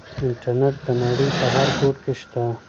انټرنيټ د نړۍ په هر ګوټ کې شته.